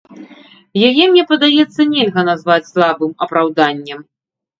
Яе, мне падаецца, нельга назваць слабым апраўданнем.